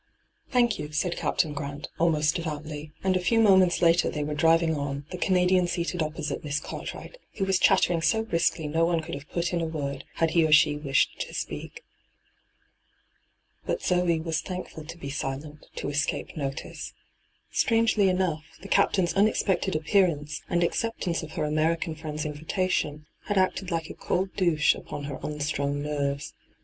' Thank you,' said Captain Grant almost devoutiy, and a few moments later they were driving on, the Canadian seated opposite Miss Cartwright, who was chattering so briskly no one could have put in a word, had he or she wished to speak. But Zoe was thankfiil to be silent, to escape notice. Strangely enough, the Captain's un expected appeurance and acceptance of her D,gt,, 6rtbyGOOglC 230 ENTRAPPED American friend's invitatioa had acted like a cold douche upon her unstrung nerves.